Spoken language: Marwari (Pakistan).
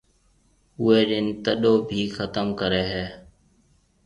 اوئي ڏِن تڏو ڀِي ختم ڪريَ ھيََََ